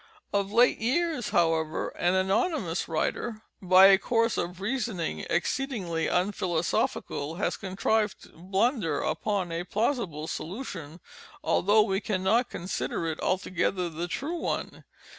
Of late years however, an anonymous writer, by a course of reasoning exceedingly unphilosophical, has contrived to blunder upon a plausible solution—although we cannot consider it altogether the true one.